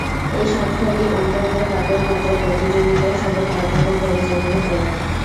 এই সংস্থাটি অন্টারিও কাপের মতো প্রতিযোগিতার সকল কার্যক্রম পরিচালনা করে।